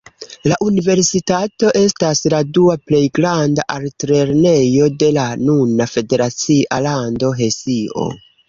La universitato estas la dua plej granda altlernejo de la nuna federacia lando Hesio.